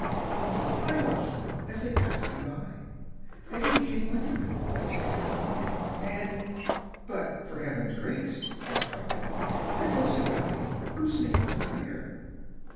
I watch them as they pass me by; At each in wonderment I stare, And, "but for heaven's grace," I cry, "There goes the guy whose name I'd wear!"